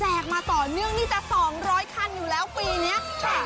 มาต่อเนื่องนี่จะ๒๐๐คันอยู่แล้วปีนี้ค่ะ